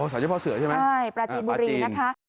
อ๋อสารเจ้าพ่อเสือใช่ไหมปลาจีนปลาจีน